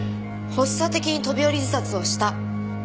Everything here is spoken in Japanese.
発作的に飛び降り自殺をした。